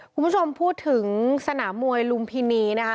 คุณผู้ชมพูดถึงสนามมวยลุมพินีนะคะ